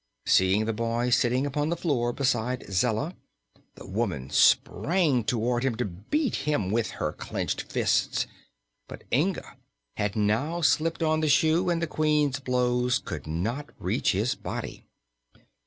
Seeing the boy sitting upon the floor beside Zella, the woman sprang toward him to beat him with her clenched fists; but Inga had now slipped on the shoe and the Queen's blows could not reach his body.